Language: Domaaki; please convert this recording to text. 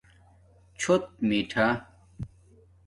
چھݸت میٹھہ